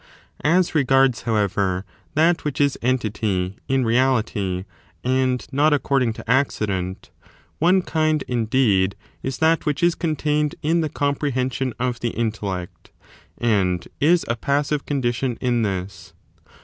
As regards, however, that which is entity in pect of «S?ty*^ reality, and not accor(ing to accident, one Ismd, omitted In on indeed, is that which is contained in the com ^'^' prehension of the intellect,* and is a passive con dition in this.